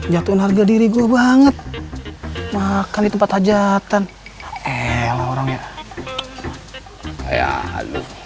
jatuhin harga diri gue banget makan di tempat hajatan eh orangnya